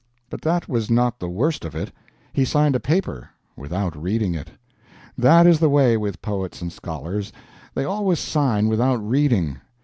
But that was not the worst of it: he signed a paper without reading it. That is the way with poets and scholars; they always sign without reading.